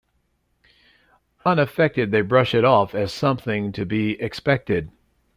Unaffected, they brush it off as something to be expected.